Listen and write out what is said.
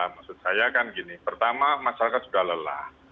maksud saya kan gini pertama masyarakat sudah lelah